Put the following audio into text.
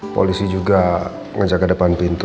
polisi juga ngejaga depan pintu